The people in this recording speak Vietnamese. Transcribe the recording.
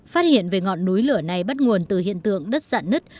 phát hiện về ngọn núi lửa này bắt nguồn từ hiện tượng đất giặn nứt